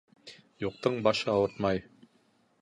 Юҡтың башы ауыртмай.